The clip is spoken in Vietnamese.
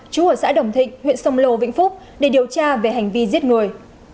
chú ở xã đồng thịnh huyện sông lô vĩnh phúc để điều tra về hành vi giết người